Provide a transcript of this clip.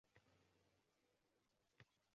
Negaligini Mahliyo bilmaydi